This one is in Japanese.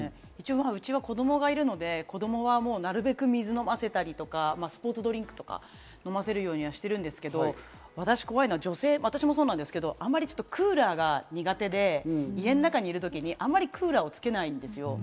うちは子供がいるので、子供はなるべく水飲ませたりとか、スポーツドリンクとか飲ませるようにしてるんですけど、怖いのは女性、あまりクーラーが苦手で家の中にいるときにクーラーをつけないんです。